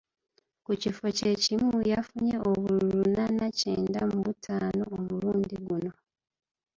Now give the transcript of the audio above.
Ku kifo kye kimu, yafunye obululu lunaana kyenda mu butaano omulundi guno.